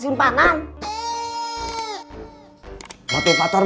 lagi baca apaan kang ini lagi nyari calon murid kamu yang baru